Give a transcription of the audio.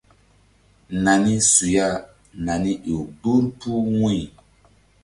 Nani su ya nani ƴo gbur puh wu̧y.